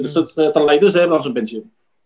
setelah itu saya langsung pensiun